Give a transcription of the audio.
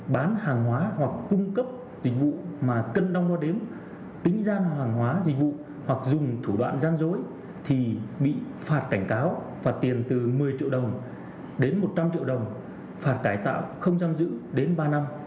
bán hàng hóa hoặc cung cấp dịch vụ mà cân đong đo đếm tính gian hàng hóa dịch vụ hoặc dùng thủ đoạn gian dối thì bị phạt cảnh cáo phạt tiền từ một mươi triệu đồng đến một trăm linh triệu đồng phạt cải tạo không giam giữ đến ba năm